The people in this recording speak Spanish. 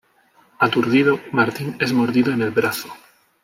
Aturdido, Martin es mordido en el brazo.